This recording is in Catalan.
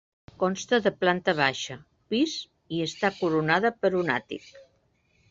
Consta de planta baixa, pis i està coronada per un àtic.